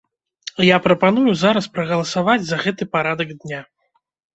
Я прапаную зараз прагаласаваць за гэты парадак дня.